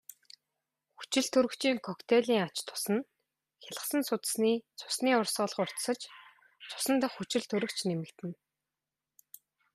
Хүчилтөрөгчийн коктейлийн ач тус нь хялгасан судасны цусны урсгал хурдсаж цусан дахь хүчилтөрөгч нэмэгдэнэ.